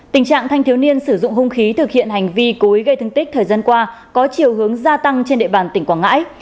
tình trạng thanh thiếu niên sử dụng hung khí thực hiện hành vi cố ý gây thương tích thời gian qua có chiều hướng gia tăng trên địa bàn tỉnh quảng ngãi